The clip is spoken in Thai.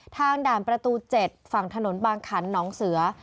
ด่านประตู๗ฝั่งถนนบางขันน้องเสือ